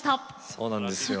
そうなんですよ。